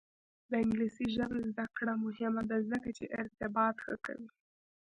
د انګلیسي ژبې زده کړه مهمه ده ځکه چې ارتباط ښه کوي.